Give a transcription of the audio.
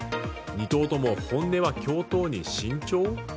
２党とも本音は共闘に慎重？